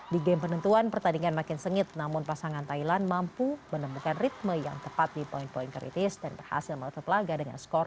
di game penentuan pertandingan makin sengit namun pasangan thailand mampu menemukan ritme yang tepat di poin poin kritis dan berhasil menutup laga dengan skor dua